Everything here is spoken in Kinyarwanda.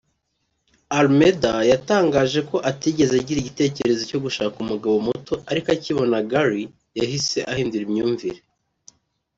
Almeda yatangaje ko atigeze agira igitekerezo cyo gushaka umugabo muto ariko akibona Gary yahise ahindura imyumvire